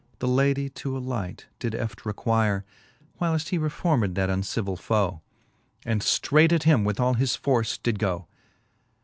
The lady to alight did eft require, Whileft he reformed that uncivill fo : And ftreiffht at him with all his force did so.